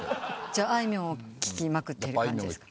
あいみょんを聴きまくってる感じですか？